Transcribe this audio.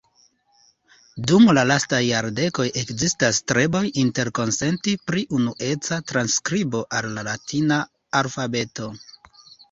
Dum la lastaj jardekoj ekzistas streboj interkonsenti pri unueca transskribo al la latina alfabeto.